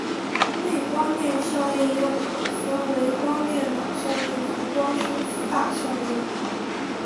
内光电效应又可分为光电导效应和光生伏打效应。